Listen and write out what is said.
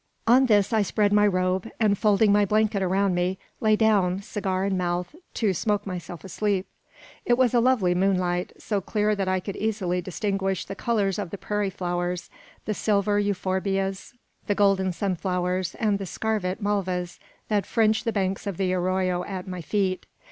On this I spread my robe, and, folding my blanket around me, lay down, cigar in mouth, to smoke myself asleep. It was a lovely moonlight, so clear that I could easily distinguish the colours of the prairie flowers the silver euphorbias, the golden sunflowers, and the scarlet malvas, that fringed the banks of the arroyo at my feet.